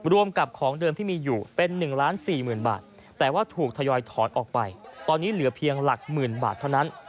รวมกับของเดิมที่มีอยู่เป็น๑๔๐๐๐บาทแต่ว่าถูกทยอยถอนออกไปตอนนี้เหลือเพียงหลักหมื่นบาทเท่านั้น